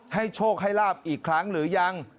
โชคให้ลาบอีกครั้งหรือยัง